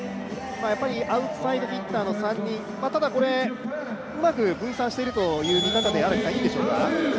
やはりアウトサイドヒッターの３人ただうまく分散しているという見方でいいでしょうか。